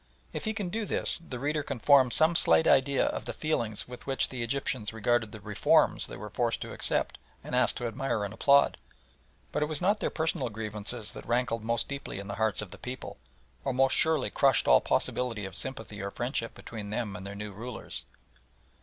If he can do this the reader can form some slight idea of the feelings with which the Egyptians regarded the "reforms" they were forced to accept and asked to admire and applaud. But it was not their personal grievances that rankled most deeply in the hearts of the people, or most surely crushed all possibility of sympathy or friendship between them and their new rulers.